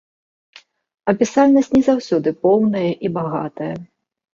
Апісальнасць не заўсёды поўная і багатая.